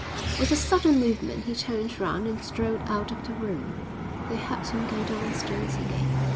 With a sudden movement he turned round and strode out of the room. They heard him go downstairs again.